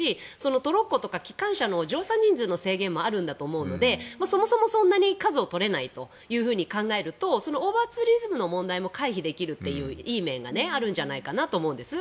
トロッコとか機関車の乗車人数の制限とかもあるんだと思うので、そもそもそんなに数を取れないと考えるとオーバーツーリズムの問題も回避できるといういい面があるんじゃないかなと思うんです。